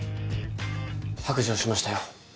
白状しましたよ。